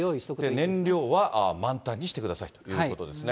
燃料は満タンにしてくださいということですね。